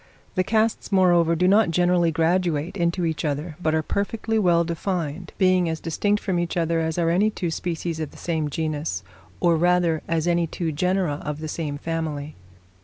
The castes, moreover, do not generally graduate into each other, but are perfectly well defined; being as distinct from each other as are any two species of the same genus, or rather as any two genera of the same family.